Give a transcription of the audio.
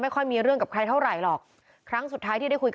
ไม่ค่อยมีเรื่องกับใครเท่าไหร่หรอก